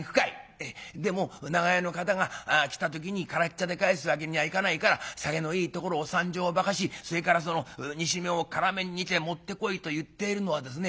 「ええでも『長屋の方が来た時に空茶で帰すわけにはいかないから酒のいいところを３升ばかしそれからその煮しめを辛めに煮て持ってこい』と言っているのはですね